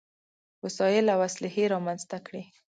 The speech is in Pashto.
وسايل او اسلحې رامنځته کړې.